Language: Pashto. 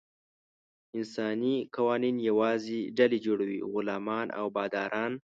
انساني قوانین یوازې ډلې جوړوي: غلامان او باداران.